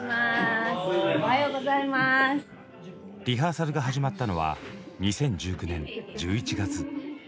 リハーサルが始まったのは２０１９年１１月。